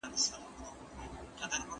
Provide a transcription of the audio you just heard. د ميرمني د خوشالېدو لاري چاري کومي دي؟